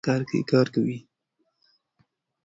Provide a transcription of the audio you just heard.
واکسینونه هم په ورته ډول کار کوي.